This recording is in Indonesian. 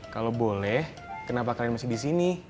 kalo boleh kenapa kalian masih disini